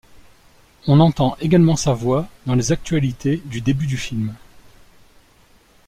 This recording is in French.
On entend également sa voix dans les actualités du début du film.